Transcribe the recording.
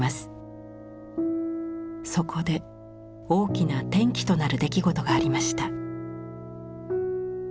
そこで大きな転機となる出来事がありました。